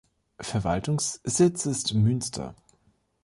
Verwaltungssitz ist Münster.